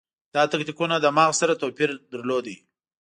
دا تکتیکونه له مغز سره توپیر درلود.